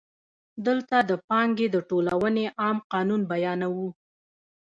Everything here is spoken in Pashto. دلته د پانګې د ټولونې عام قانون بیانوو